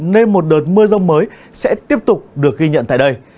nên một đợt mưa rông mới sẽ tiếp tục được ghi nhận tại đây